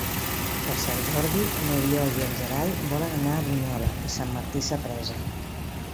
Per Sant Jordi n'Oriol i en Gerai volen anar a Brunyola i Sant Martí Sapresa.